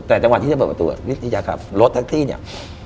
แต่จังหวะที่จะเปิดประตูที่จะขับรถทั้งที่